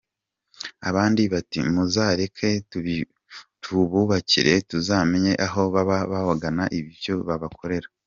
" Abandi bati "Muzareke tububikire tuzamenya aho baba bagana n’ibyo bahakora.